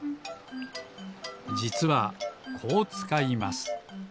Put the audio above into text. じつはこうつかいます。